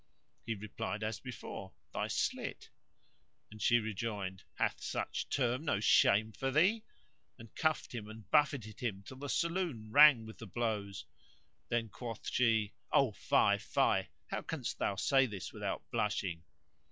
He replied as before, "Thy slit;" and she rejoined, "Hath such term no shame for thee?" and cuffed him and buffeted him till the saloon rang with the blows. Then quoth she, "O fie! O fie! how canst thou say this without blushing?"